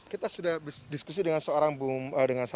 kita sudah diskusi dengan seorang bumn